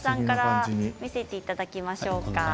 見せていただきましょう。